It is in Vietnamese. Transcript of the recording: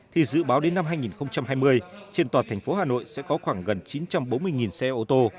thì dự báo đến năm hai nghìn hai mươi trên toàn thành phố hà nội sẽ có khoảng gần chín trăm bốn mươi xe ô tô